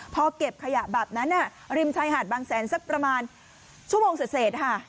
พอเก็บขยะแบบนั้นริมชายหาดบางแสนสักประมาณชั่วโมงเสร็จค่ะ